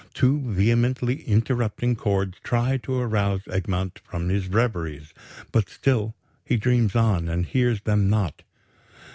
Two vehemently interrupting chords try to arouse Egmont from his reveries; but still he dreams on and hears them not.